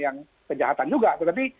yang kejahatan juga tetapi